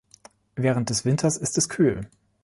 Während des Winters ist es kühl.